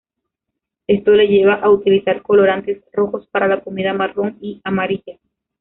Esto le lleva a utilizar colorantes rojos para la comida marrón y amarilla.